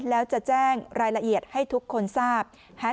แล้วจะแจ้งรายละเอียดให้ทุกคนทราบ